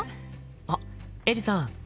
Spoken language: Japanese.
あっエリさん